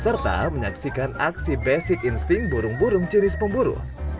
serta menyaksikan aksi basic instinct burung burung ciris pemburu